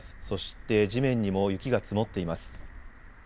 そして地面にも雪が積もっています。